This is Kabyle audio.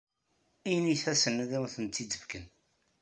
Init-asen ad awen-tent-id-fken.